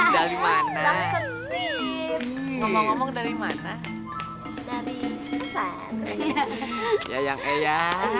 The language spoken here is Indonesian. dari mana ngomong ngomong dari mana dari susan ya yang eh ya